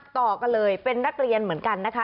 ต่อกันเลยเป็นนักเรียนเหมือนกันนะคะ